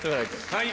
はい！